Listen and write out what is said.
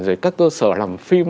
rồi các cơ sở làm phim